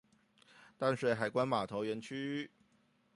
淡水海關碼頭園區